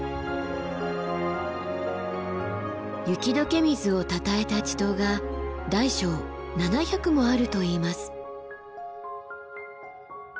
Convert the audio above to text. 雪解け水をたたえた池塘が大小７００もあるといいます。